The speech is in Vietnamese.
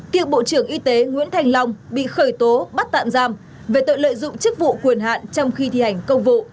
cựu bộ trưởng y tế nguyễn thành long bị khởi tố bắt tạm giam về tội lợi dụng chức vụ quyền hạn trong khi thi hành công vụ